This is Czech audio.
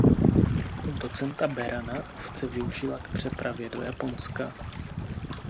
Docenta Berana ovce využila k přepravě do Japonska.